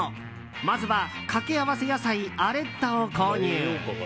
まずは掛け合わせ野菜アレッタを購入。